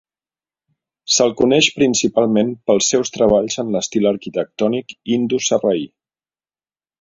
Se'l coneix principalment pels seus treballs en l'estil arquitectònic indo-sarraí.